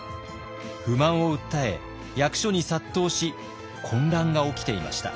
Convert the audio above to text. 不満を訴え役所に殺到し混乱が起きていました。